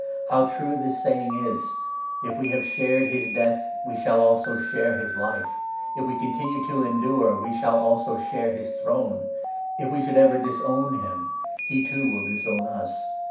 How true this saying is — n ' If we have shared his death, we shall also share his life. If 12 we continue to endure, we shall also share his throne. If we should ever disown him, he, too, will disown us.